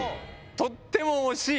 とっても惜しい。